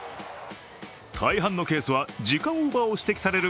大半のケースは時間オーバーを指摘される